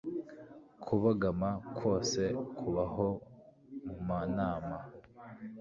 Kubogama kwose Kubaho mumanama